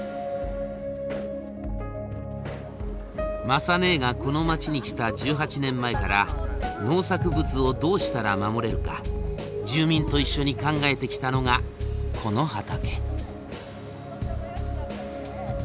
雅ねえがこの町に来た１８年前から農作物をどうしたら守れるか住民と一緒に考えてきたのがこの畑。